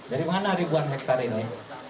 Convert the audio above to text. dari mana ribuan hektare ini